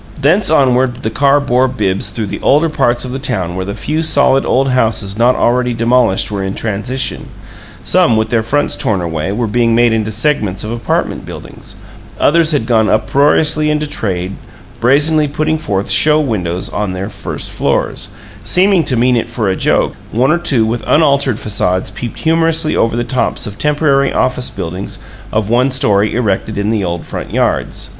Thence onward the car bore Bibbs through the older parts of the town where the few solid old houses not already demolished were in transition: some, with their fronts torn away, were being made into segments of apartment buildings; others had gone uproariously into trade, brazenly putting forth "show windows" on their first floors, seeming to mean it for a joke; one or two with unaltered facades peeped humorously over the tops of temporary office buildings of one story erected in the old front yards.